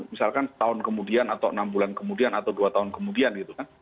misalkan setahun kemudian atau enam bulan kemudian atau dua tahun kemudian gitu kan